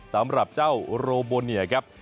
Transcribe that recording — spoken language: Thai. สำหรับเจ้าโรโบเนียครับ